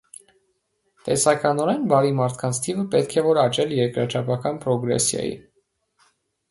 Տեսականորեն, բարի մարդկանց թիվը պետք է որ աճել երկրաչափական պրոգրեսիայի։